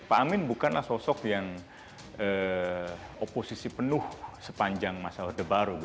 pak amin bukanlah sosok yang oposisi penuh sepanjang masa orde baru